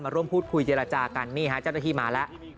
ร่วมพูดคุยเจรจากันนี่ฮะเจ้าหน้าที่มาแล้ว